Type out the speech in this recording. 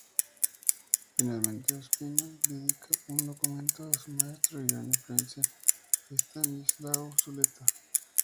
Finalmente, Ospina dedica un documento a su maestro y gran influencia, Estanislao Zuleta.